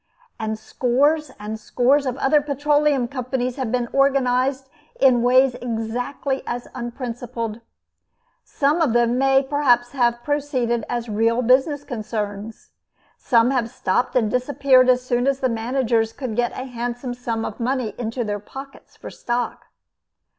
And scores and scores of other Petroleum Companies have been organized in ways exactly as unprincipled. Some of them may perhaps have proceeded as real business concerns. Some have stopped and disappeared as soon as the managers could get a handsome sum of money into their pockets for stock.